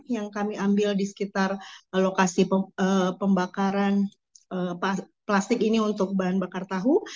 yang kami ambil di sekitar lokasi pembakaran plastik ini untuk bahan bakar tahu